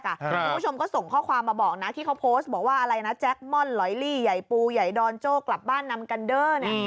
คุณผู้ชมก็ส่งข้อความมาบอกนะที่เขาโพสต์บอกว่าอะไรนะแจ็คม่อนหลอยลี่ใหญ่ปูใหญ่ดอนโจ้กลับบ้านนำกันเด้อเนี่ย